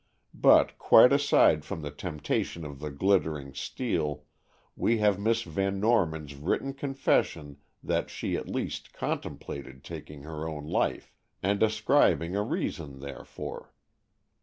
But quite aside from the temptation of the glittering steel, we have Miss Van Norman's written confession that she at least contemplated taking her own life, and ascribing a reason therefor.